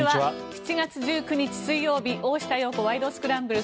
７月１９日、水曜日「大下容子ワイド！スクランブル」。